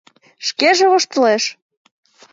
Шкеже воштылеш.